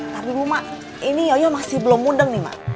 tapi bu mak ini yoyo masih belum mundeng nih mak